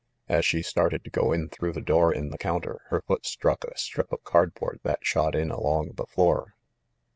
As she started to go in through the door in the counter, her foot struck a strip of cardboard that shot in along the floor.